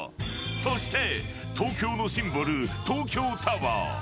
そして、東京のシンボル東京タワー。